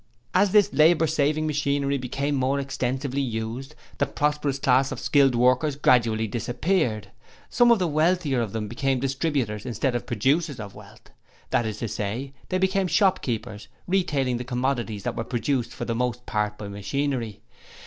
'As this labour saving machinery became more extensively used, the prosperous class of skilled workers gradually disappeared. Some of the wealthier of them became distributers instead of producers of wealth; that is to say, they became shopkeepers, retailing the commodities that were produced for the most part by machinery.